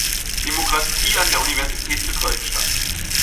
Demokratie" an der Universität zu Köln statt.